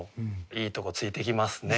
いいとこついてきますね。